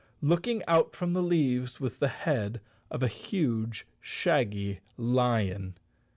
Looking out from the leaves was the head of a huge, shaggy lion.